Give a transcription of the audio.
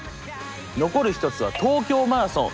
残る一つは東京マラソン。